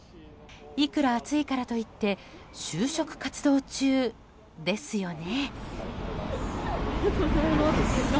いくら暑いからといって就職活動中ですよね？